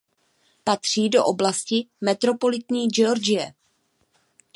Patří do oblasti metropolitní Georgie.